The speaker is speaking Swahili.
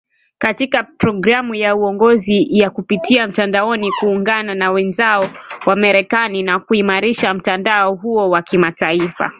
katika programu ya uongozi ya kupitia mtandaoni kuungana na wenzao wa Marekani na kuimarisha mtandao huo wa kimataifa